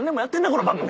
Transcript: この番組。